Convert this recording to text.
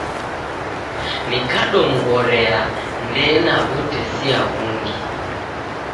Neikadomghorea ndena w'utesia ghungi